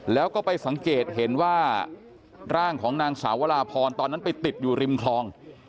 แล้วก็ไปสังเกตเห็นว่าร่างของนางสาววราพรตอนนั้นไปติดอยู่ริมคลอง